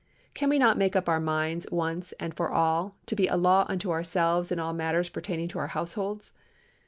Cannot we make up our minds, once and for all, to be a law unto ourselves in all matters pertaining to our households?